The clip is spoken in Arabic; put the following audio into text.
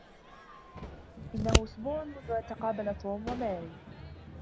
إنه أسبوع منذ أن تقابل توم وماري